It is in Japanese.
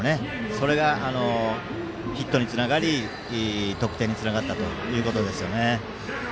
それが、ヒットにつながり得点につながったということですよね。